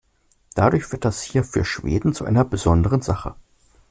Dadurch wird das hier für Schweden zu einer besonderen Sache.